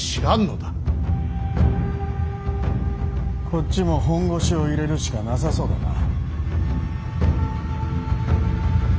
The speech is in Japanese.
こっちも本腰を入れるしかなさそうだな。